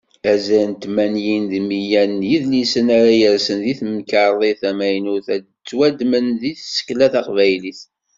Azal n tmanyin deg meyya n yidlisen ara yersen di temkarḍit tamaynut, ad d-ttwaddmen seg tsekla taqbaylit.